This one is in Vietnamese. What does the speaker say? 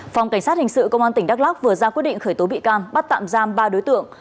phòng cảnh sát hình sự công an tỉnh đắk lắc vừa ra quyết định khởi tố bị can bắt tạm giam ba đối tượng